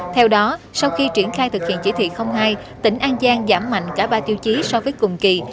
theo đó sau khi triển khai thực hiện chỉ thị hai tỉnh an giang giảm mạnh cả ba tiêu chí so với cùng kỳ